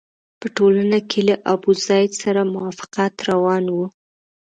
په ټولنه کې له ابوزید سره موافقت روان وو.